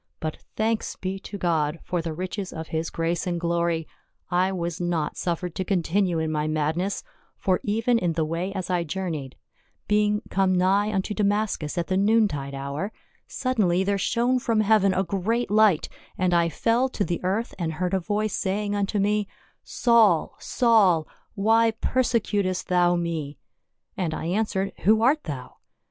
But thanks be to God for the riches of his grace and glory, I was not suffered to continue in my madness, for even in the way as I journeyed — being come nigh unto Da mascus at the noon tide hour — suddenly there shone from heaven a great light, and I fell to the earth and heard a voice saying unto me, ' Saul, Saul, why perse cutest thou me ?' and I answered, Who art thou